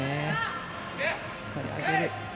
しっかり上げる。